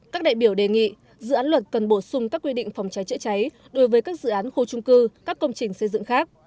các đại biểu đề nghị dự án luật cần bổ sung các quy định phòng cháy chữa cháy đối với các dự án khu trung cư các công trình xây dựng khác